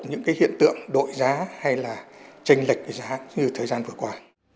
những cái hiện tượng đội giá hay là tranh lệch cái giá như thời gian vừa qua